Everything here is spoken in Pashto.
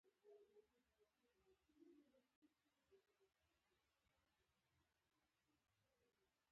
• رښتینی ملګری تل باوري وي.